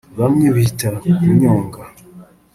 bamwe bita kunyonga